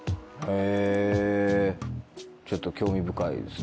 へぇちょっと興味深いですね。